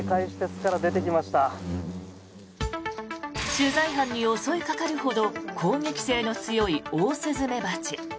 取材班に襲いかかるほど攻撃性の強いオオスズメバチ。